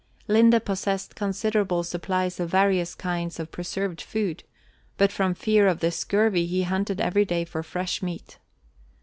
Linde possessed considerable supplies of various kinds of preserved food, but from fear of the scurvy he hunted every day for fresh meat.